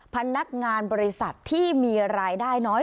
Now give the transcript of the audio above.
พนักงานบริษัทที่มีรายได้น้อย